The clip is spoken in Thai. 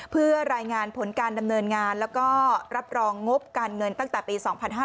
เพื่อรายงานผลการดำเนินงานแล้วก็รับรองงบการเงินตั้งแต่ปี๒๕๕๙